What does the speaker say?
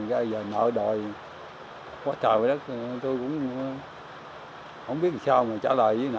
rồi nợ đòi quá trời mấy đất tôi cũng không biết sao mà trả lời với nợ